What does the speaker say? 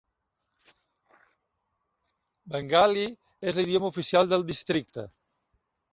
Bengali és l'idioma oficial del districte.